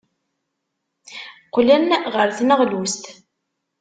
Qqlen ɣer tneɣlust.